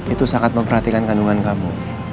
itu sangat memperhatikan kandungan kamu